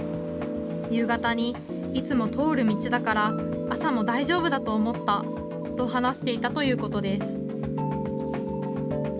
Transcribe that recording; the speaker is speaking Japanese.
夕方にいつも通る道だから朝も大丈夫だと思ったと話していたということです。